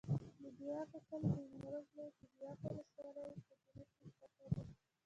د بکوا کلی د نیمروز ولایت، بکوا ولسوالي په جنوب کې پروت دی.